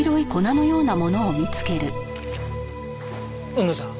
海野さん。